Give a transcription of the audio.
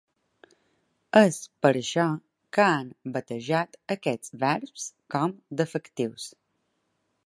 És per això que han batejat aquests verbs com defectius.